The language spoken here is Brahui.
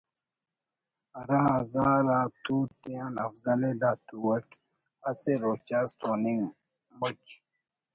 ہرا ہزار آ تُو تیان افضل ءِ دا تُو اٹ اسہ روچہ اس توننگ مچ